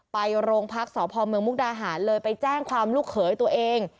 ไปโรงพักสพเมืองมุกดาหารเลยไปแจ้งความลูกเขยตัวเอง